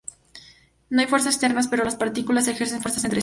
No hay fuerzas externas pero las partículas ejercen fuerzas entre sí.